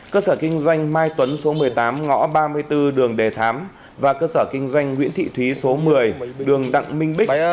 cơ sở kinh doanh mai tuấn số một mươi tám ngõ ba mươi bốn đường đề thám và cơ sở kinh doanh nguyễn thị thúy số một mươi đường đặng minh bích